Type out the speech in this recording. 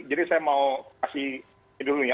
jadi saya mau kasih itu dulu ya